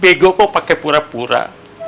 bego kok pake pura pura